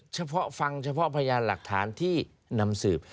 เฉพาะฟังเฉพาะพยานหลักฐานที่นำสืบ